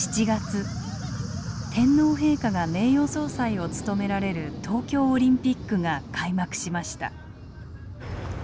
７月天皇陛下が名誉総裁を務められる東京オリンピックが開幕しました。